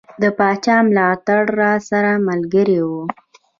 د پاچا ملاتړ راسره ملګری وو.